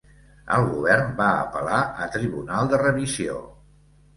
El govern va apel·lar a Tribunal de Revisió.